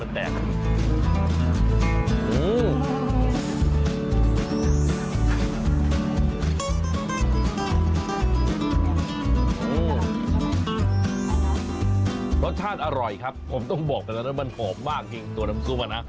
รสชาติอร่อยครับผมต้องบอกกันแล้วนะมันหอมมากจริงตัวน้ำซุปอะนะ